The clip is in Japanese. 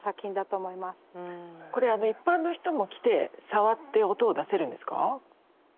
これ一般の人も来て触って音を出せるんですか？